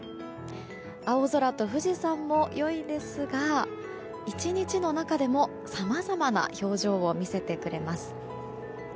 青空と富士山も良いですが１日の中でも、さまざまな表情を見せてくれます。